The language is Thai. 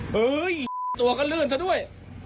เฮ้ยตัวก็ลื่นซะด้วย